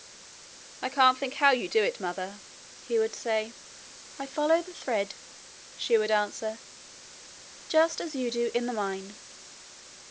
'I can't think how you do it, mother,' he would say. 'I follow the thread,' she would answer 'just as you do in the mine.'